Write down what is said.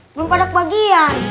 belum padat bagian